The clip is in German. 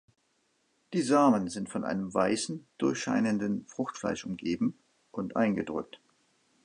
Die Samen sind von einem weißen, durchscheinenden Fruchtfleisch umgeben und eingedrückt.